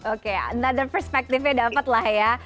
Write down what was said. oke another perspektifnya dapet lah ya